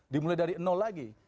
dimulai dari nol lagi